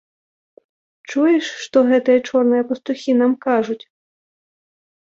Чуеш, што гэтыя чорныя пастухі нам кажуць?